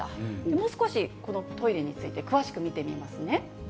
もう少し、このトイレについて詳しく見てみますね。